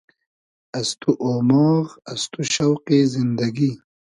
از تو اۉماغ از تو شۆقی زیندئگی